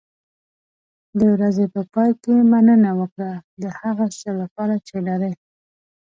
د ورځې په پای کې مننه وکړه د هغه څه لپاره چې لرې.